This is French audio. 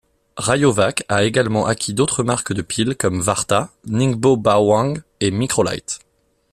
Rayovac a également acquis d'autres marques de piles comme Varta, Ningbo Baowang et Microlite.